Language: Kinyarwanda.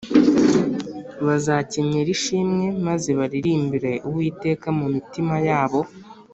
bazakenyera ishimwe maze baririmbire uwiteka mu mitima yabo.